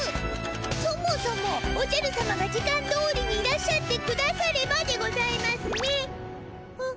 そもそもおじゃるさまが時間どおりにいらっしゃってくださればでございますねハッ。